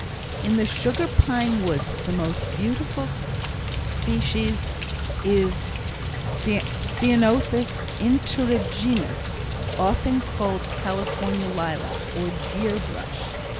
In the sugar pine woods the most beautiful species is C. integerrimus, often called Californian lilac, or deer brush.